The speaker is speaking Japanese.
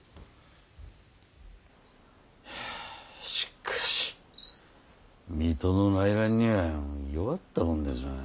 しかし水戸の内乱には弱ったもんですな。